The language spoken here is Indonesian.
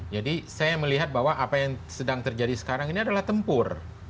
jadi saya melihat bahwa apa yang sedang terjadi sekarang ini adalah tempur